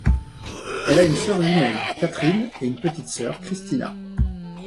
Elle a une sœur jumelle, Katerine, et une petite sœur, Christina.